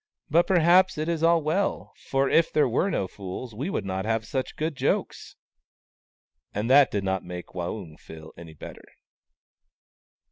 " But perhaps it is as well, for if there were no fools we would not have such good jokes !" And that did not make Waung feel any better.